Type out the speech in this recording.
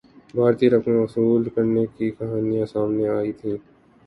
بھاری رقمیں وصول کرنے کی کہانیاں سامنے آئی تھیں